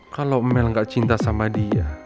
kalau mel gak cinta sama dia